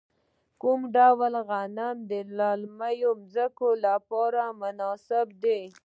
کوم ډول غنم د للمي ځمکو لپاره مناسب دي؟